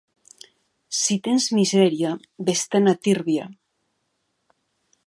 Si tens misèria, ves-te'n a Tírvia.